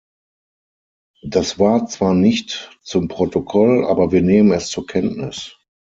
Das war zwar nicht zum Protokoll, aber wir nehmen es zur Kenntnis.